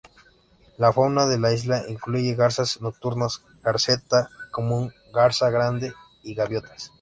La fauna de la isla incluye garzas nocturnas, Garceta común, Garza Grande, y gaviotas.